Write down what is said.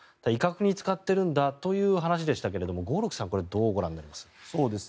威嚇に使っているんだという話でしたけれども合六さんはどうご覧になりますか？